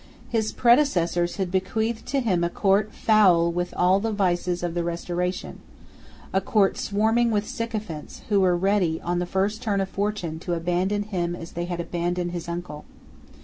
His predecessors had bequeathed to him a court foul with all the vices of the Restoration, a court swarming with sycophants, who were ready, on the first turn of fortune, to abandon him as they had abandoned his uncle.